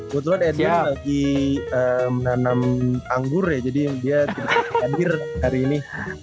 kebetulan edw lagi menanam anggur ya jadi dia tidak hadir hari ini